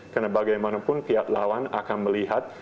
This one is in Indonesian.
karena bagaimanapun pihak lawan akan melihat